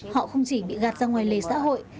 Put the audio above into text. họ không chỉ bị gạt ra ngoài lề xã hội